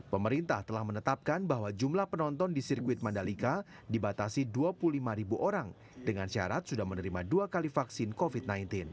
pemerintah telah menetapkan bahwa jumlah penonton di sirkuit mandalika dibatasi dua puluh lima ribu orang dengan syarat sudah menerima dua kali vaksin covid sembilan belas